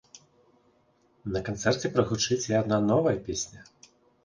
На канцэрце прагучыць і адна новая песня.